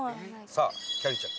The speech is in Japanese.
さあきゃりーちゃん。